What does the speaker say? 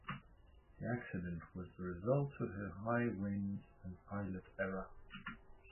The accident was the result of high winds and pilot error.